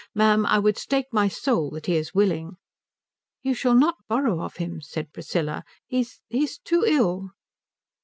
Ma'am, I would stake my soul that he is willing." "You shall not borrow of him," said Priscilla. "He he's too ill."